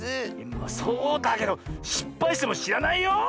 そうだけどしっぱいしてもしらないよ。